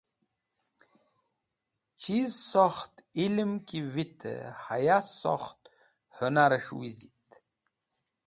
Chiz sokht ilẽm ki vitẽ haya sokht hũnarẽs̃h wizit.